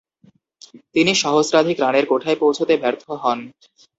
তিনি সহস্রাধিক রানের কোঠায় পৌঁছতে ব্যর্থ হন।